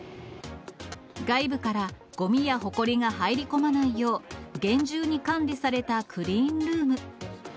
外部からごみやほこりが入り込まないよう、厳重に管理されたクリーンルーム。